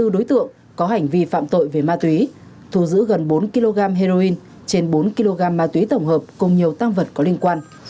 hai mươi đối tượng có hành vi phạm tội về ma túy thu giữ gần bốn kg heroin trên bốn kg ma túy tổng hợp cùng nhiều tăng vật có liên quan